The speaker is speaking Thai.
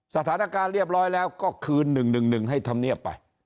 สถานการณ์เรียบร้อยแล้วก็คืน๑๑๑ให้ธรรมเนียบไป